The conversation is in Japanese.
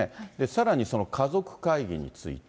さらにその家族会議について。